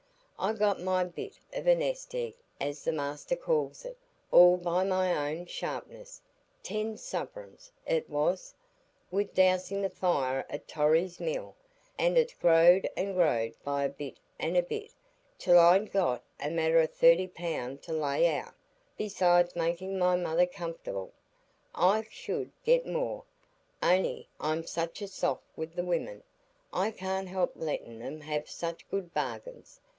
I got my bit of a nest egg, as the master calls it, all by my own sharpness,—ten suvreigns it was,—wi' dousing the fire at Torry's mill, an' it's growed an' growed by a bit an' a bit, till I'n got a matter o' thirty pound to lay out, besides makin' my mother comfor'ble. I should get more, on'y I'm such a soft wi' the women,—I can't help lettin' 'em hev such good bargains.